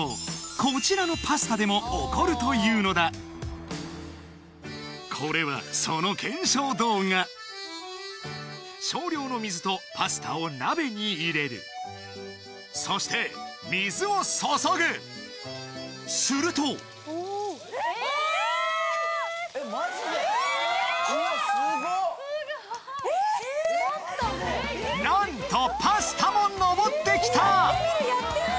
こちらのパスタでも起こるというのだこれはその検証動画少量の水とパスタを鍋に入れるそして水を注ぐすると何とパスタものぼってきた！